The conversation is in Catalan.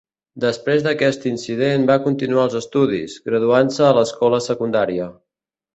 Després d'aquest incident va continuar els estudis, graduant-se a l'escola secundària.